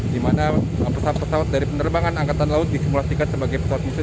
di mana pesawat pesawat dari penerbangan angkatan laut disimulasikan sebagai pesawat musim